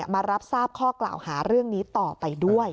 มารับทราบข้อกล่าวหาเรื่องนี้ต่อไปด้วย